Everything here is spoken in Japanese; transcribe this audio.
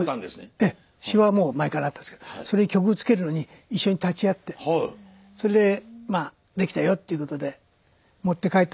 ええ詞はもう前からあったんですけどそれに曲をつけるのに一緒に立ち会ってそれでまあできたよっていうことで持って帰ったんですよね。